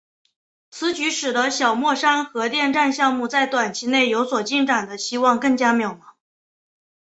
此举使得小墨山核电站项目在短期内有所进展的希望更加渺茫。